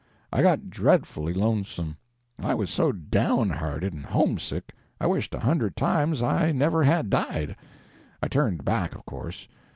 I got dreadfully lonesome. I was so down hearted and homesick I wished a hundred times I never had died. I turned back, of course.